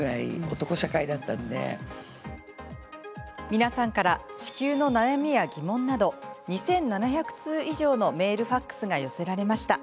皆さんから子宮の悩みや疑問など２７００通以上のメール、ファックスが寄せられました。